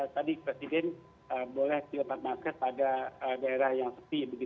tadi presiden boleh dapat masker pada daerah yang sepi